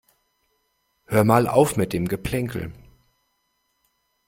Hört mal auf mit dem Geplänkel.